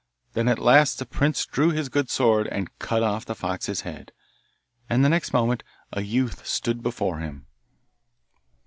Then at last the prince drew his good sword and cut off the fox's head, and the next moment a youth stood before him.